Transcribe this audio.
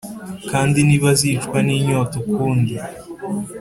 kandi ntibazicwa n’inyota ukundi